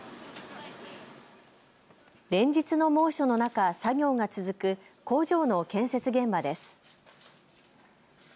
連日の猛暑の中、作業が続く工場の建設現場です。